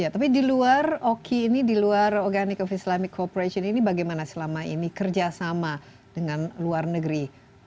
tapi di luar oki ini di luar organic islamic cooperation ini bagaimana selama ini kerjasama dengan luar negeri